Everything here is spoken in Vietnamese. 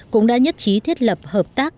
cũng đã nhất trí thiết lập hợp tác